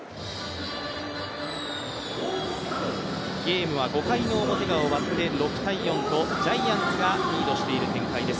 ゲームは５回の表が終わって６−４とジャイアンツがリードしている展開です。